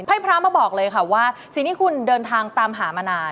ให้พระมาบอกเลยค่ะว่าสิ่งที่คุณเดินทางตามหามานาน